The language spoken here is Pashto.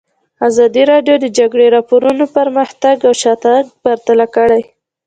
ازادي راډیو د د جګړې راپورونه پرمختګ او شاتګ پرتله کړی.